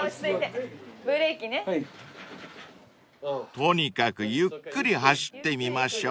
［とにかくゆっくり走ってみましょう］